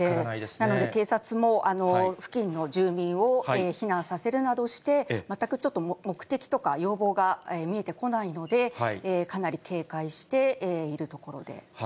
なので警察も付近の住民を避難させるなどして、全くちょっと目的とか、要望が見えてこないので、かなり警戒しているところです。